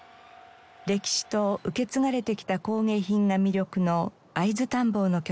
歴史と受け継がれてきた工芸品が魅力の会津探訪の拠点